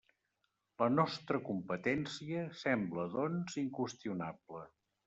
La nostra competència sembla, doncs, inqüestionable.